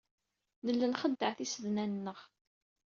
Nella nxeddeɛ tisednan-nneɣ.